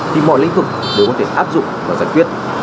thì mọi lĩnh vực đều có thể áp dụng và giải quyết